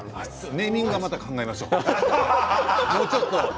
ネーミングはちょっと考えましょう。